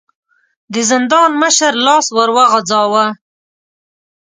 د زندان مشر لاس ور وغځاوه.